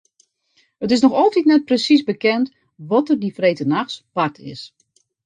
It is noch altyd net persiis bekend wat der dy freedtenachts bard is.